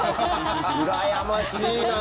うらやましいな。